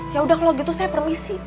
yaudah kalau gitu saya permisi